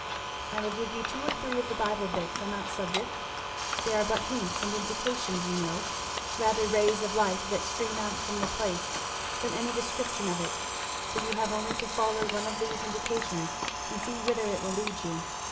"I will give you two or three of the Bible bits on that subject; they are but hints and indications you know rather rays of light that stream out from the place than any description of it; but you have only to follow one of these indications and see whither it will lead you.